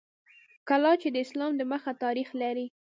کلا چې د اسلام د مخه تاریخ لري